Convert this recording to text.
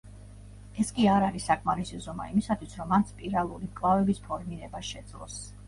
ეს კი არ არის საკმარისი ზომა იმისათვის, რომ მან სპირალური მკლავების ფორმირება შეძლოს.